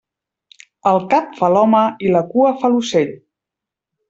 El cap fa l'home i la cua fa l'ocell.